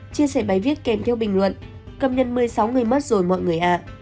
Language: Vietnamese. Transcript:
chia sẻ bài viết kèm theo bình luận cầm nhân một mươi sáu người mất rồi mọi người ạ